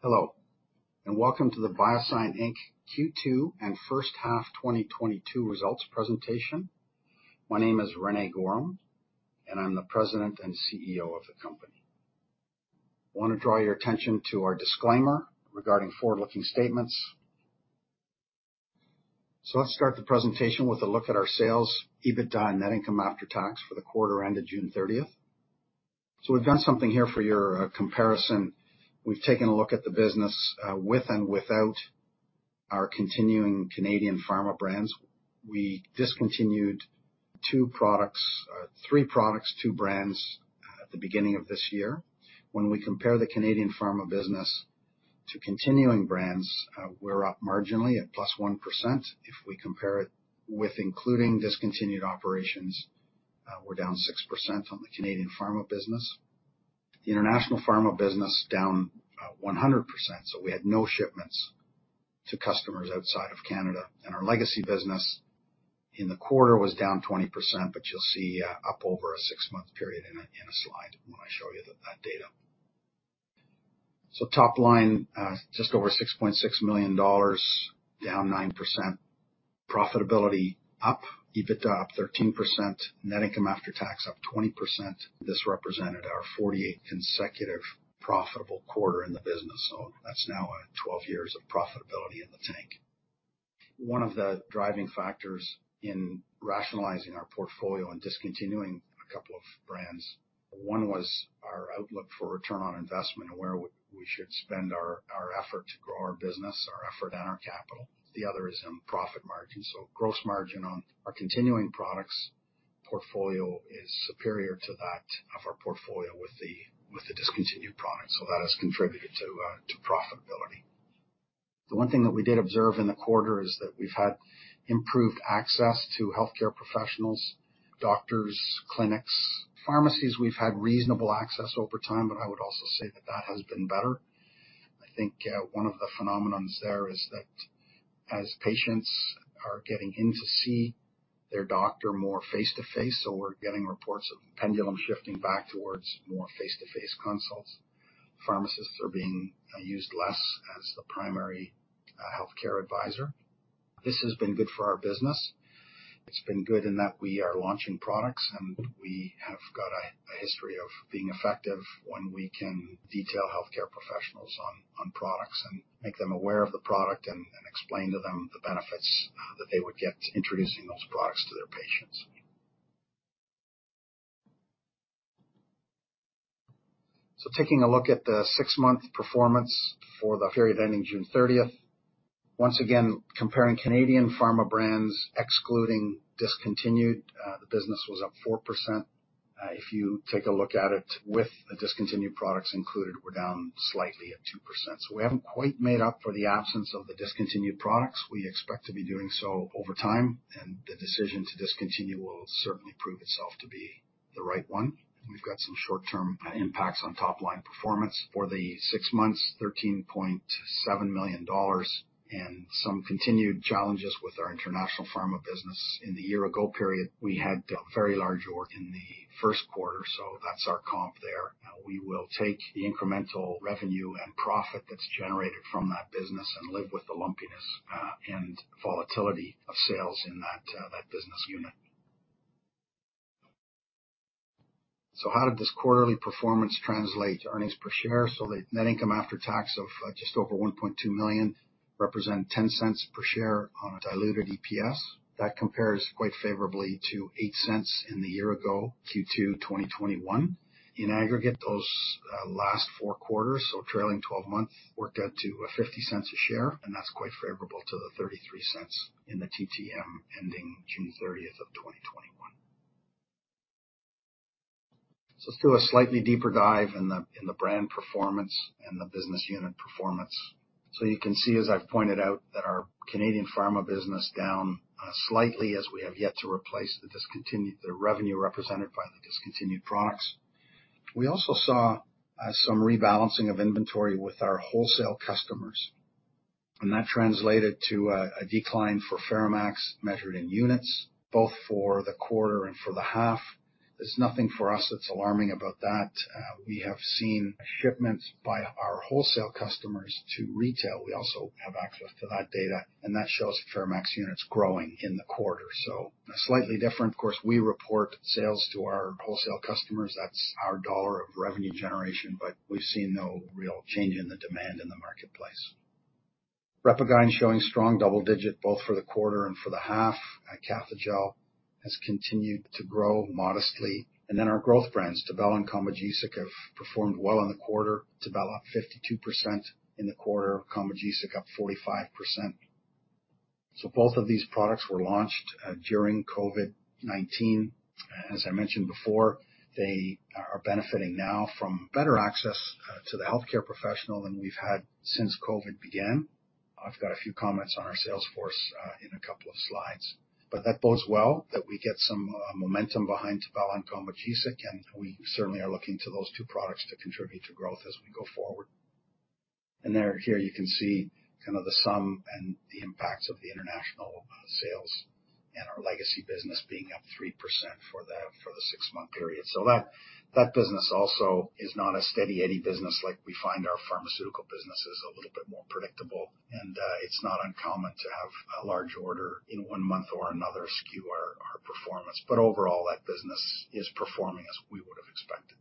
Hello, and welcome to the BioSyent Inc. Q2 and first half 2022 results presentation. My name is René Goehrum, and I'm the President and CEO of the company. Want to draw your attention to our disclaimer regarding forward-looking statements. Let's start the presentation with a look at our sales, EBITDA, and net income after tax for the quarter ended June thirtieth. We've done something here for your comparison. We've taken a look at the business with and without our continuing Canadian pharma brands. We discontinued two products, three products, two brands at the beginning of this year. When we compare the Canadian pharma business to continuing brands, we're up marginally at plus 1%. If we compare it with including discontinued operations, we're down 6% on the Canadian pharma business. The international pharma business down 100%, so we had no shipments to customers outside of Canada. Our legacy business in the quarter was down 20%, but you'll see up over a six-month period in a slide when I show you that data. Top- line just over CAD 6.6 million, down 9%. Profitability up. EBITDA up 13%. Net income after tax up 20%. This represented our 48 consecutive profitable quarter in the business, so that's now twelve years of profitability intact. One of the driving factors in rationalizing our portfolio and discontinuing a couple of brands was our outlook for return on investment and where we should spend our effort to grow our business and our capital. The other is in profit margin. Gross margin on our continuing products portfolio is superior to that of our portfolio with the discontinued products. That has contributed to profitability. The one thing that we did observe in the quarter is that we've had improved access to healthcare professionals, doctors, clinics. Pharmacies, we've had reasonable access over time, but I would also say that has been better. I think one of the phenomena there is that as patients are getting in to see their doctor more face-to-face, so we're getting reports of the pendulum shifting back towards more face-to-face consults. Pharmacists are being used less as the primary healthcare advisor. This has been good for our business. It's been good in that we are launching products, and we have got a history of being effective when we can detail healthcare professionals on products and make them aware of the product and explain to them the benefits that they would get introducing those products to their patients. Taking a look at the six-month performance for the period ending June thirtieth. Once again, comparing Canadian pharma brands, excluding discontinued, the business was up 4%. If you take a look at it with the discontinued products included, we're down slightly at 2%. We haven't quite made up for the absence of the discontinued products. We expect to be doing so over time, and the decision to discontinue will certainly prove itself to be the right one. We've got some short-term impacts on top-line performance. For the six months, 13.7 million dollars and some continued challenges with our international pharma business. In the year-ago period, we had a very large order in Q1, so that's our comp there. We will take the incremental revenue and profit that's generated from that business and live with the lumpiness, and volatility of sales in that business unit. How did this quarterly performance translate to earnings per share? The net income after tax of just over 1.2 million represent 0.10 per share on a diluted EPS. That compares quite favorably to 0.08 in the year-ago Q2 2021. In aggregate, those last 4 quarters, so trailing 12 months, worked out to 0.50 a share, and that's quite favorable to the 0.33 in the TTM ending June thirtieth of 2021. Let's do a slightly deeper dive in the brand performance and the business unit performance. You can see, as I've pointed out, that our Canadian pharma business down slightly as we have yet to replace the revenue represented by the discontinued products. We also saw some rebalancing of inventory with our wholesale customers, and that translated to a decline for FeraMAX measured in units, both for the quarter and for the half. There's nothing for us that's alarming about that. We have seen shipments by our wholesale customers to retail. We also have access to that data, and that shows FeraMAX units growing in the quarter, so slightly different. Of course, we report sales to our wholesale customers. That's our dollar of revenue generation, but we've seen no real change in the demand in the marketplace. RepaGyn showing strong double-digit both for the quarter and for the half. Cathejell has continued to grow modestly. Our growth brands, Tibella and Combogesic, have performed well in the quarter. Tibella up 52% in the quarter. Combogesic up 45%. Both of these products were launched during COVID-19. As I mentioned before, they are benefiting now from better access to the healthcare professional than we've had since COVID began. I've got a few comments on our sales force in a couple of slides. That bodes well that we get some momentum behind Tibella and Combogesic, and we certainly are looking to those two products to contribute to growth as we go forward. There, here you can see kind of the sum and the impacts of the international sales and our legacy business being up 3% for the six-month period. That business also is not a steady eddy business like we find our pharmaceutical business is a little bit more predictable. It's not uncommon to have a large order in one month or another skew our performance. Overall, that business is performing as we would have expected.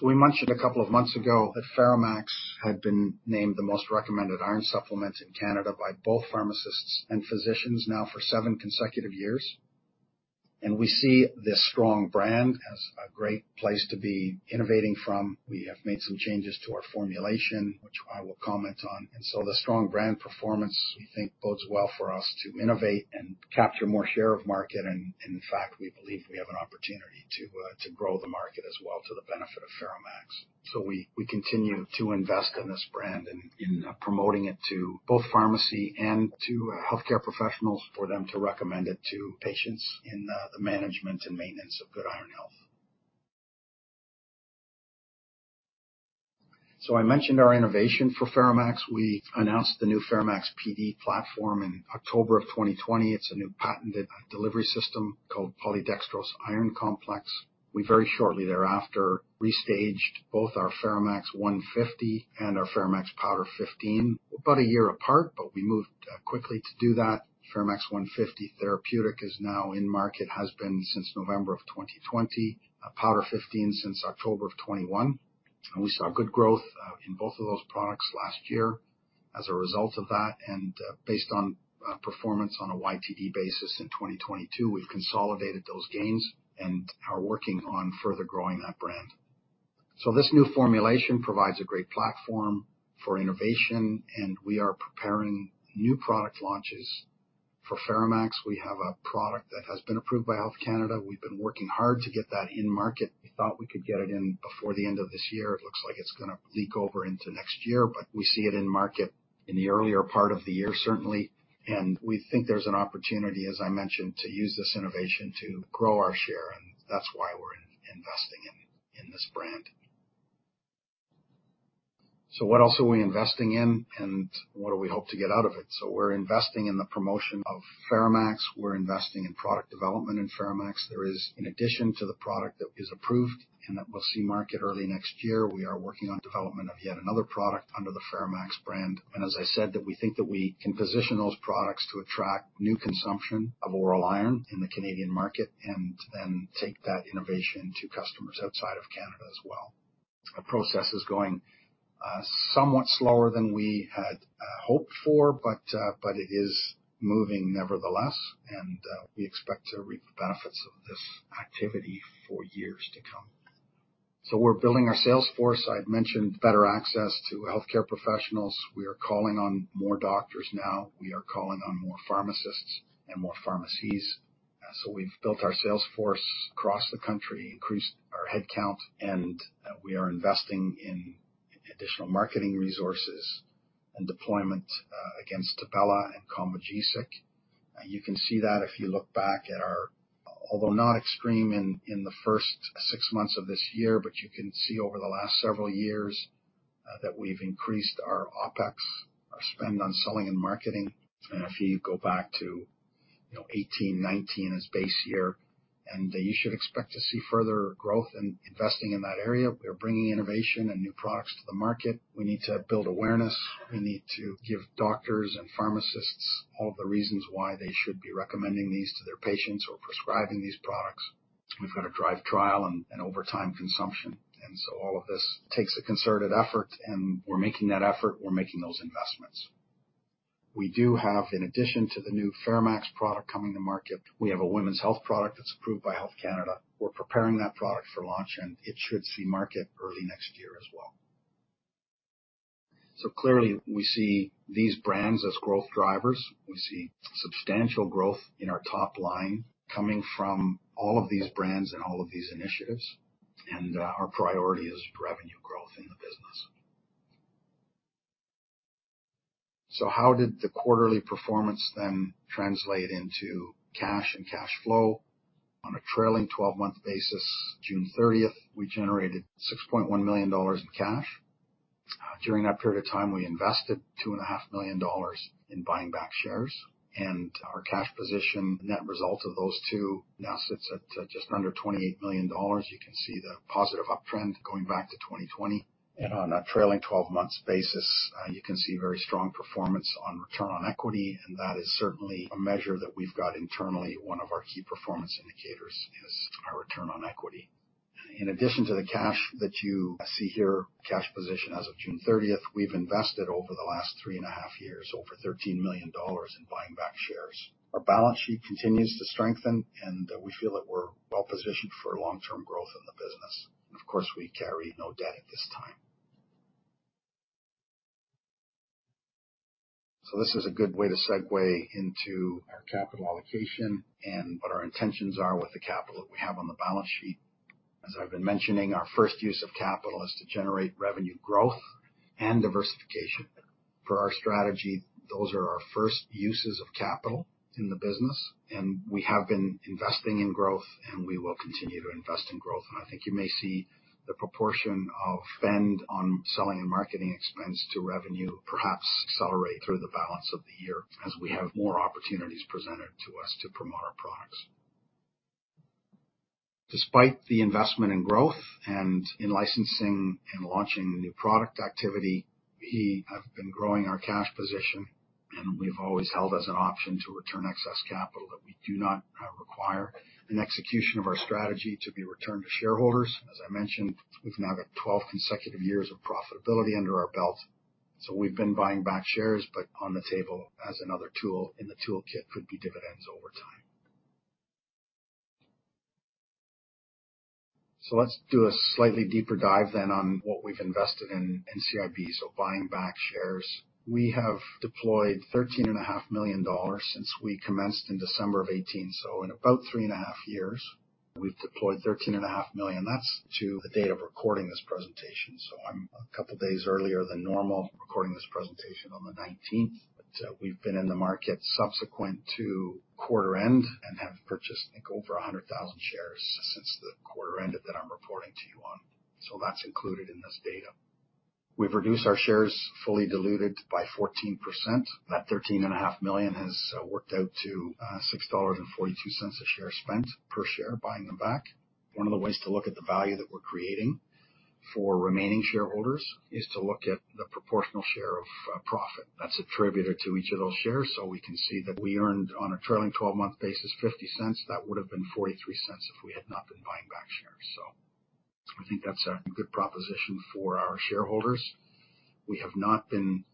We mentioned a couple of months ago that FeraMAX had been named the most recommended iron supplement in Canada by both pharmacists and physicians now for seven consecutive years. We see this strong brand as a great place to be innovating from. We have made some changes to our formulation, which I will comment on. The strong brand performance, we think bodes well for us to innovate and capture more share of market. In fact, we believe we have an opportunity to grow the market as well to the benefit of FeraMAX. We continue to invest in this brand and in promoting it to both pharmacy and to healthcare professionals for them to recommend it to patients in the management and maintenance of good iron health. I mentioned our innovation for FeraMAX. We announced the new FeraMAX PD platform in October of 2020. It's a new patented delivery system called polydextrose iron complex. We very shortly thereafter restaged both our FeraMAX 150 and our FeraMAX Powder 15, about a year apart, but we moved quickly to do that. FeraMAX 150 therapeutic is now in market, has been since November 2020. Powder 15 since October 2021. We saw good growth in both of those products last year as a result of that. Based on performance on a YTD basis in 2022, we've consolidated those gains and are working on further growing that brand. This new formulation provides a great platform for innovation, and we are preparing new product launches for FeraMAX. We have a product that has been approved by Health Canada. We've been working hard to get that in market. We thought we could get it in before the end of this year. It looks like it's gonna leak over into next year, but we see it in market in the earlier part of the year, certainly. We think there's an opportunity, as I mentioned, to use this innovation to grow our share, and that's why we're investing in this brand. What else are we investing in, and what do we hope to get out of it? We're investing in the promotion of FeraMAX. We're investing in product development in FeraMAX. There is an addition to the product that is approved and that we'll see market early next year. We are working on development of yet another product under the FeraMAX brand. As I said, that we think that we can position those products to attract new consumption of oral iron in the Canadian market and then take that innovation to customers outside of Canada as well. Our process is going somewhat slower than we had hoped for, but it is moving nevertheless. We expect to reap the benefits of this activity for years to come. We're building our sales force. I'd mentioned better access to healthcare professionals. We are calling on more doctors now. We are calling on more pharmacists and more pharmacies. We've built our sales force across the country, increased our headcount, and we are investing in additional marketing resources and deployment against Tibella and Combogesic. You can see that if you look back at our. Although not extreme in the first six months of this year, but you can see over the last several years that we've increased our OPEX, our spend on selling and marketing. If you go back to, you know, 2018, 2019 as base year, and you should expect to see further growth in investing in that area. We're bringing innovation and new products to the market. We need to build awareness. We need to give doctors and pharmacists all the reasons why they should be recommending these to their patients or prescribing these products. We've got to drive trial and over time, consumption. All of this takes a concerted effort, and we're making that effort, we're making those investments. We do have, in addition to the new FeraMAX product coming to market, we have a women's health product that's approved by Health Canada. We're preparing that product for launch, and it should see market early next year as well. Clearly, we see these brands as growth drivers. We see substantial growth in our top-line coming from all of these brands and all of these initiatives. Our priority is revenue growth in the business. How did the quarterly performance then translate into cash and cash flow? On a trailing twelve-month basis, June thirtieth, we generated 6.1 million dollars in cash. During that period of time, we invested 2.5 million dollars in buying back shares. Our cash position, net result of those two, now sits at just under 28 million dollars. You can see the positive uptrend going back to 2020. On a trailing twelve-months basis, you can see very strong performance on return on equity, and that is certainly a measure that we've got internally. One of our key performance indicators is our return on equity. In addition to the cash that you see here, cash position as of June 30, we've invested over the last 3.5-years, over 13 million dollars in buying back shares. Our balance sheet continues to strengthen, and we feel that we're well-positioned for long-term growth in the business. Of course, we carry no debt at this time. This is a good way to segue into our capital allocation and what our intentions are with the capital that we have on the balance sheet. As I've been mentioning, our first use of capital is to generate revenue growth and diversification. For our strategy, those are our first uses of capital in the business, and we have been investing in growth, and we will continue to invest in growth. I think you may see the proportion of spend on selling and marketing expense to revenue perhaps accelerate through the balance of the year as we have more opportunities presented to us to promote our products. Despite the investment in growth and in licensing and launching new product activity, we have been growing our cash position, and we've always held as an option to return excess capital that we do not require for execution of our strategy to be returned to shareholders. As I mentioned, we've now got 12 consecutive years of profitability under our belt, so we've been buying back shares, but on the table as another tool in the toolkit could be dividends over time. Let's do a slightly deeper dive then on what we've invested in SIB. Buying back shares. We have deployed thirteen and a half million dollars since we commenced in December of 2018. In about three-and-a-half- years, we've deployed thirteen and a half million. That's to the date of recording this presentation. I'm a couple of days earlier than normal recording this presentation on the nineteenth. We've been in the market subsequent to quarter end and have purchased, I think, over 100,000 shares since the quarter ended that I'm reporting to you on. That's included in this data. We've reduced our shares fully diluted by 14%. That thirteen and a half million has worked out to 6.42 dollars a share spent per share buying them back. One of the ways to look at the value that we're creating for remaining shareholders is to look at the proportional share of profit that's attributed to each of those shares. We can see that we earned on a trailing twelve-month basis 0.50. That would have been 0.43 if we had not been buying back shares. I think that's a good proposition for our shareholders. We have not been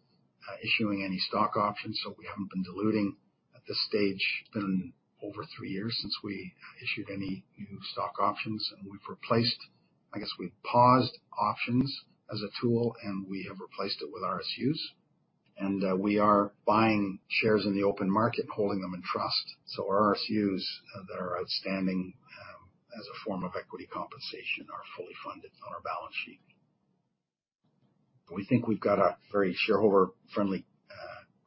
issuing any stock options, so we haven't been diluting at this stage in over 3-years since we issued any new stock options. I guess we've paused options as a tool, and we have replaced it with RSUs. We are buying shares in the open market, holding them in trust. Our RSUs that are outstanding as a form of equity compensation are fully funded on our balance sheet. We think we've got a very shareholder friendly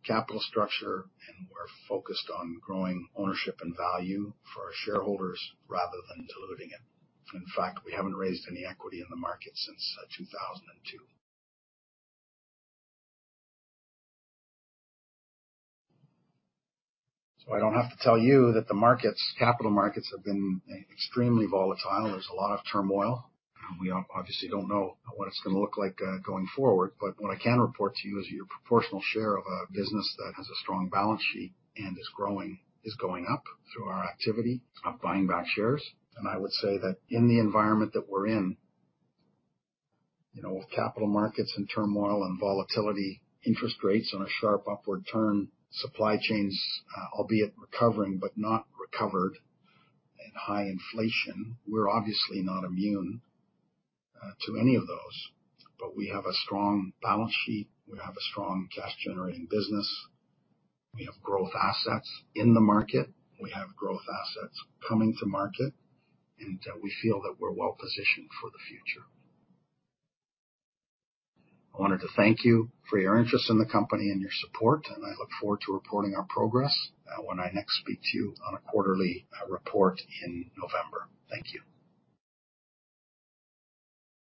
capital structure, and we're focused on growing ownership and value for our shareholders rather than diluting it. In fact, we haven't raised any equity in the market since 2002. I don't have to tell you that the capital markets have been extremely volatile. There's a lot of turmoil. We obviously don't know what it's gonna look like going forward. What I can report to you is your proportional share of a business that has a strong balance sheet and is growing, is going up through our activity of buying back shares. I would say that in the environment that we're in, you know, with capital markets in turmoil and volatility, interest rates on a sharp upward turn, supply chains, albeit recovering but not recovered, and high-inflation, we're not immune to any of those. We have a strong balance sheet. We have a strong cash generating business. We have growth assets in the market. We have growth assets coming to market, and we feel that we're well-positioned for the future. I wanted to thank you for your interest in the company and your support, and I look forward to reporting our progress, when I next speak to you on a quarterly report in November. Thank you.